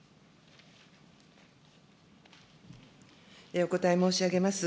お答え申し上げます。